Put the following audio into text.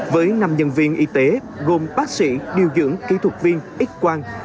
với năm nhân viên y tế gồm bác sĩ điều dưỡng kỹ thuật viên ít quang